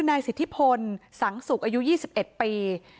นายสิทธิพลสังสุกอายุ๒๑ปี